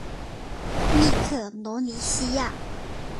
密克罗尼西亚。